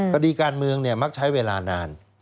คดีการเมืองมักใช้เวลานาน